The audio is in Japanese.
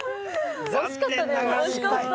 惜しかったでも。